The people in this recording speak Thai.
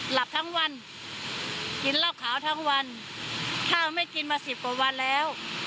หลับทั้งวันกินเหล้าขาวทั้งวันถ้าไม่กินมาสิบกว่าวันแล้ว